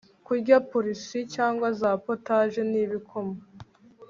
kurya porici cyangwa za potaje nibikoma